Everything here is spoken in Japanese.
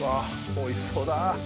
おいしそう！